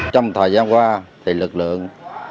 trong thời gian qua thì lực lượng